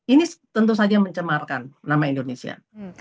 ini tentu saja mencemarkan nama indonesia